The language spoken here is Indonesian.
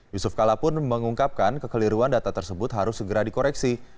yusuf kala pun mengungkapkan kekeliruan data tersebut harus segera dikoreksi